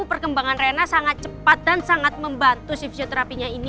perkembangan rena sangat cepat dan sangat membantu si fisioterapinya ini